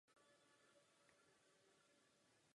Další druh transformací jsou globální transformace.